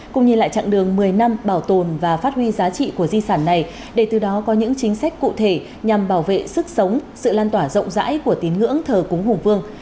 cùng nhìn lại chặng đường một mươi năm bảo tồn và phát huy giá trị của di sản này để từ đó có những chính sách cụ thể nhằm bảo vệ sức sống sự lan tỏa rộng rãi của tín ngưỡng thờ cúng hùng vương